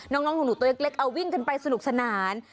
น้องหนูตัวเล็กเอาวิ่งกันไปสนุกสนาน